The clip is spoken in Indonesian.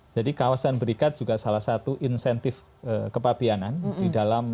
jadi kawasan berikat juga salah satu insentif kepapianan di dalam tentu mendorong orang orang yang ingin berpapian ke dalam negara